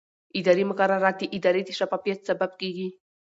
اداري مقررات د ادارې د شفافیت سبب کېږي.